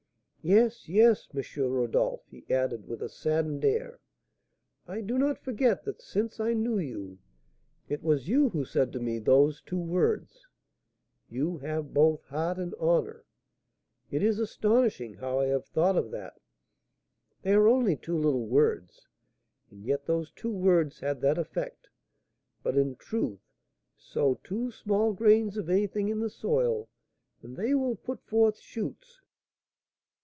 "Yes, yes, M. Rodolph," he added, with a saddened air, "I do not forget that, since I knew you, it was you who said to me those two words,'You have both heart and honour!' It is astonishing how I have thought of that. They are only two little words, and yet those two words had that effect. But, in truth, sow two small grains of anything in the soil, and they will put forth shoots."